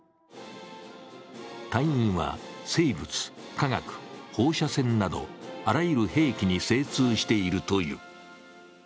隊員は生物、化学、放射線などあらゆる兵器に精通しているという。